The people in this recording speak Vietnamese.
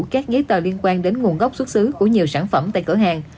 các giấy tờ liên quan đến nguồn gốc xuất xứ của nhiều sản phẩm tại cửa hàng